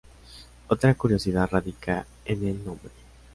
Otra curiosidad radica en el nombre.